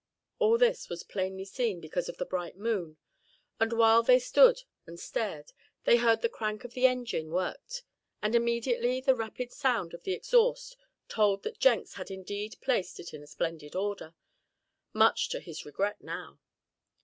All this was plainly seen because of the bright moon. And while they stood and stared, they heard the crank of the engine worked, and immediately the rapid sound of the exhaust told that Jenks had indeed placed it in splendid order, much to his regret now.